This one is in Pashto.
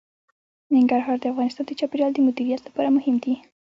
ننګرهار د افغانستان د چاپیریال د مدیریت لپاره مهم دي.